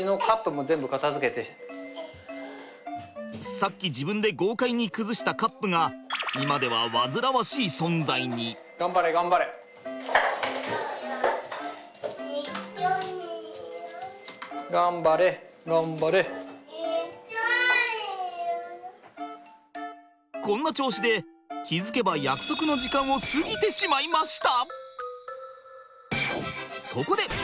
さっき自分で豪快に崩したカップが今ではこんな調子で気付けば約束の時間を過ぎてしまいました。